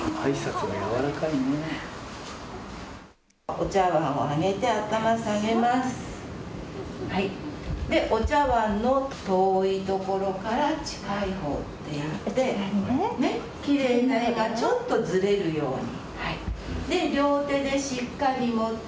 お茶わんの遠いところから近いほうへいってきれいな絵がちょっとずれるように。